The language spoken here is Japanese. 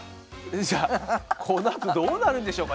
じゃあこのあとどうなるんでしょうかね？